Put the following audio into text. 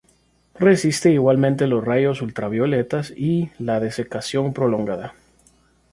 Resiste igualmente los rayos ultravioletas y la desecación prolongada.